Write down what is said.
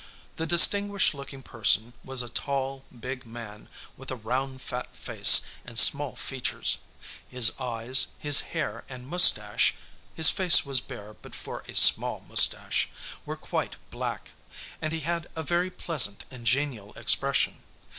The distinguished looking person was a tall, big man with a round fat face and small features. His eyes, his hair and mustache (his face was bare but for a small mustache) were quite black, and he had a very pleasant and genial expression.